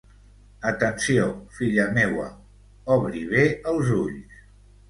Atenció, filla meua, obri bé els ulls!